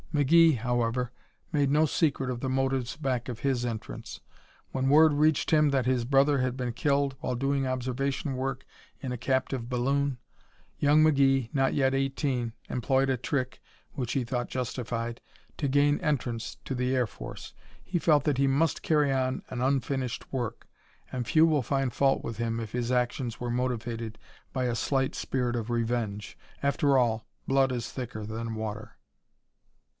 McGee, however, made no secret of the motives back of his entrance. When word reached him that his brother had been killed while doing observation work in a captive balloon, young McGee, not yet eighteen, employed a trick (which he thought justified) to gain entrance to the Air Force. He felt that he must carry on an unfinished work, and few will find fault with him if his actions were motivated by a slight spirit of revenge. After all, blood is thicker than water.